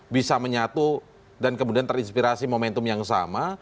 bisa menyatu dan kemudian terinspirasi momentum yang sama